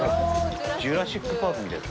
「ジュラシック・パーク」みたいだ。